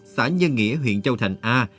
xã nhân nghĩa huyện châu thành a